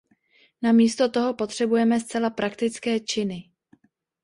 Namísto toho potřebujeme zcela praktické činy.